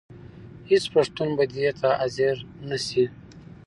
هېڅ پښتون به دې ته حاضر نه شي.